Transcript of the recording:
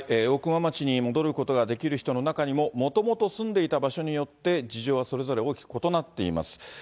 大熊町に戻ることができる人の中にも、もともと住んでいた場所によって事情はそれぞれ大きく異なっています。